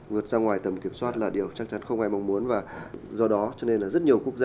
vượt ra ngoài tầm kiểm soát là điều chắc chắn không ai mong muốn và do đó cho nên là rất nhiều quốc gia